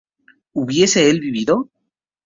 ¿hubiese él vivido?